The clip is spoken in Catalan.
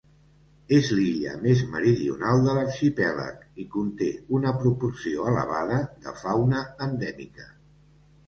És l'illa més meridional de l'arxipèlag i conté una proporció elevada de fauna endèmica.